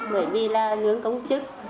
bởi vì là ngưỡng công chức